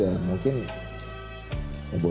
aku akan berubah